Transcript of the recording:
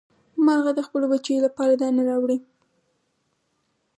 مارغه د خپلو بچیو لپاره دانه راوړي.